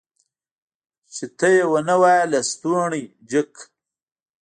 چې ته يې ونه وايي لستوڼی جګ که.